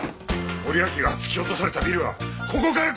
森脇が突き落とされたビルはここから５分です！